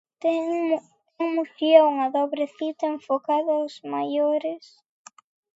Ten Muxía unha dobre cita enfocada aos maiores.